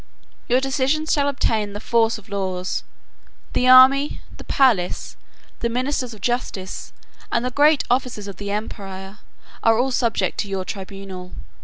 Your decisions shall obtain the force of laws. The army, the palace, the ministers of justice, and the great officers of the empire, are all subject to your tribunal.